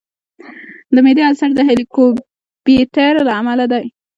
د معدې السر د هیليکوبیکټر له امله دی.